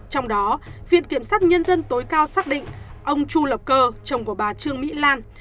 trong đó viện kiểm sát nhân dân tối cao xác định ông chu lập cơ chồng của bà trương mỹ lan